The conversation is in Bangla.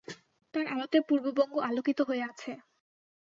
তাঁর আলোতে পূর্ববঙ্গ আলোকিত হয়ে আছে।